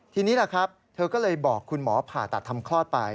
ทีนี้แหละครับเธอก็เลยบอกคุณหมอผ่าตัดทำคลอดไป